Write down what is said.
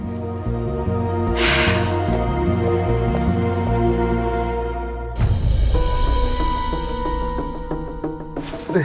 nah aku mau bawa